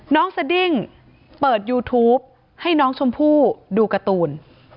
สดิ้งเปิดยูทูปให้น้องชมพู่ดูการ์ตูน